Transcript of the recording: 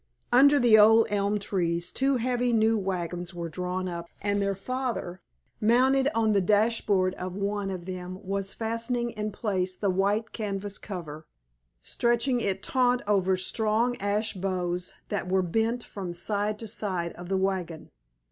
Under the old elm trees two heavy new wagons were drawn up, and their father, mounted on the dash board of one of them was fastening in place the white canvas cover, stretching it taut over strong ash bows that were bent from side to side of the wagon.